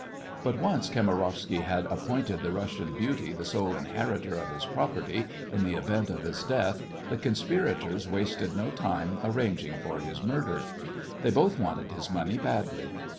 But once Kamarowsky had appointed the Russian beauty the sole inheritor of his property in the event of his death the conspirators wasted no time arranging for his murder. They both wanted his money badly.